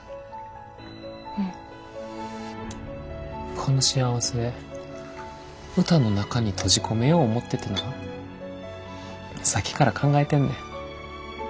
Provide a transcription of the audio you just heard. この幸せ歌の中に閉じ込めよう思っててなさっきから考えてんねん。